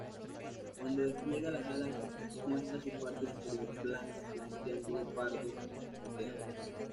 Cuando despliega las alas muestras su parte superior blancas con un triángulo pardo moteado.